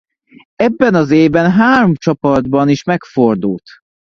Ebben az évben három csapatban is megfordult.